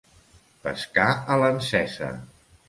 Pescar a l'encesa.